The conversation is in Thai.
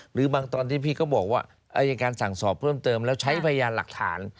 หรือบางตอนที่พี่ก็บอกว่าอายการสั่งสอบเพิ่มเติมแล้วใช้พยานหลักฐาน